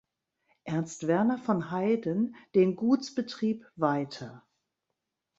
Ernst Werner von Heyden den Gutsbetrieb weiter.